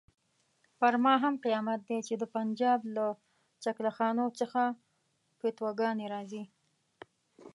پر ما هم قیامت دی چې د پنجاب له چکله خانو څخه فتواګانې راځي.